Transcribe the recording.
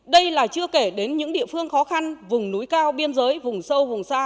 đây là chưa kể đến những địa phương khó khăn vùng núi cao biên giới vùng sâu vùng xa